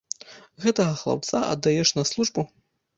Гэтага хлапца аддаеш на службу?